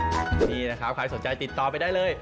นี่นะครับใครสนใจติดต่อไปได้เลย